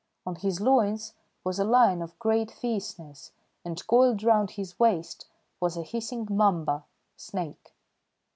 On his loins was a lion of great fierceness, and coiled round his waist was a hissing mamba (snake).